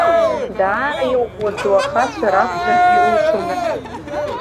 Даара иӷәӷәаӡоу ахацәа ракәзаргьы ирылшомызт.